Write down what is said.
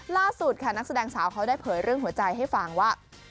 ล่าสุดค่ะนักแสดงสาวเขาได้เผยเรื่องหัวใจให้ฟังว่า